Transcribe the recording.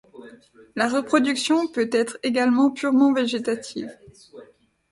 La reproduction peut être également purement végétative.